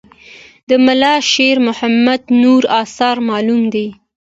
د ملا شیر محمد نور آثار معلوم دي.